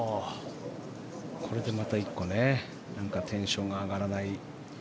これでまた１個テンションが上がらない。